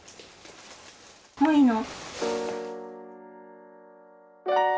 もういいの？